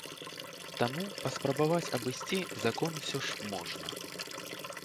Таму паспрабаваць абысці закон усё ж можна.